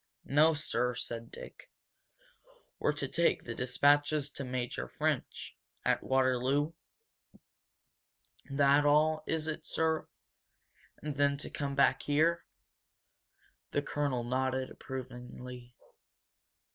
"N$1 $2 sir," said Dick. "We're to take the dispatches to Major French, at Waterloo? That all, is it, sir? And then to come back here?" The colonel nodded approvingly.